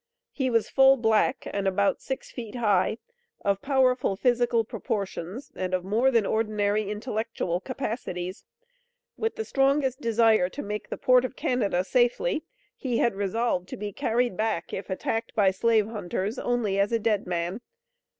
He was full black, and about six feet high; of powerful physical proportions, and of more than ordinary intellectual capacities. With the strongest desire to make the Port of Canada safely, he had resolved to be "carried back," if attacked by the slave hunters, "only as a dead man."